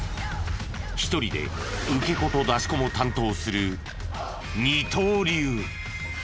１人で受け子と出し子も担当する二刀流。